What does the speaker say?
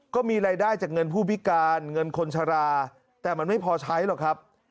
ก็มีรายได้จากเงินผู้พิการเงินคนชะลาแต่มันไม่พอใช้หรอกครับ